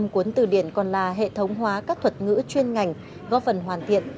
cuốn từ điển còn là hệ thống hóa các thuật ngữ chuyên ngành góp phần hoàn thiện